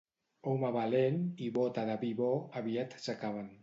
Home valent i bota de vi bo, aviat s'acaben.